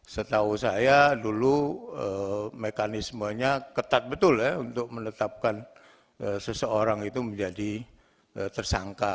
setahu saya dulu mekanismenya ketat betul ya untuk menetapkan seseorang itu menjadi tersangka